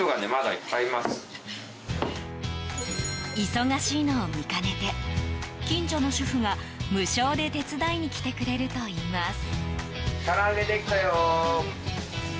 忙しいのを見かねて近所の主婦が無償で手伝いに来てくれるといいます。